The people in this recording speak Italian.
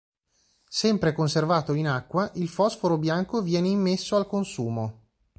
Sempre conservato in acqua, il fosforo bianco viene immesso al consumo.